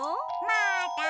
まだ！